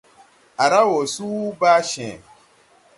Á raw woo su baa cee.